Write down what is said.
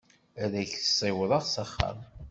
Ad k-ssiwḍeɣ s axxam?